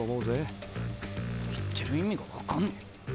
言ってる意味が分かんねえ。